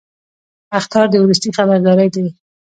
اخطار د وروستي خبرداری دی